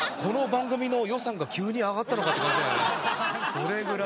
それぐらい。